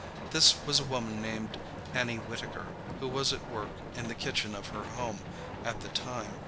This was a woman named Annie Whitaker, who was at work in the kitchen of her home at the time.